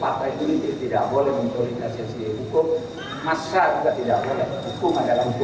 masa juga tidak boleh hukum adalah hukum